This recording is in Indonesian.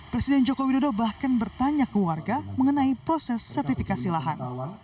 presiden joko widodo bahkan bertanya ke warga mengenai proses sertifikasi lahan